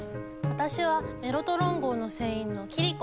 私はメロトロン号の船員のキリコ。